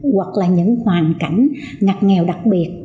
hoặc là những hoàn cảnh ngặt nghèo đặc biệt